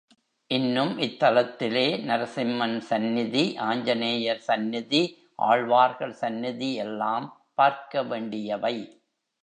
இன்னும் இத்தலத்திலே, நரசிம்மன் சந்நிதி, ஆஞ்ச நேயர் சந்நிதி, ஆழ்வார்கள் சந்நிதி எல்லாம் பார்க்க வேண்டியவை.